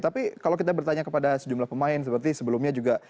tapi kalau kita bertanya kepada sejumlah pemain seperti sebelumnya juga